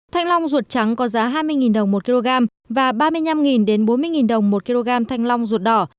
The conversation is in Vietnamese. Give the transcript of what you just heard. thanh long ruột trắng có giá hai mươi đồng một kg và ba mươi năm bốn mươi đồng một kg thanh long ruột đỏ